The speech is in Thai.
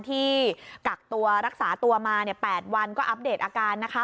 ที่กักตัวรักษาตัวมา๘วันก็อัปเดตอาการนะคะ